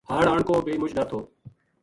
ہاڑ آن کو بے مُچ ڈر تھو